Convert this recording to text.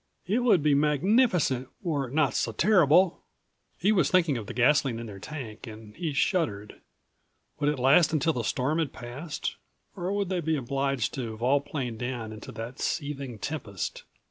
"It would be magnificent were it not so terrible." He was thinking of the gasoline in their tank and he shuddered. Would it last until the storm had passed, or would they be obliged to volplane down into that seething tempest?